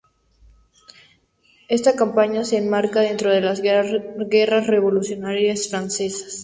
Esta campaña se enmarca dentro de las Guerras revolucionarias francesas.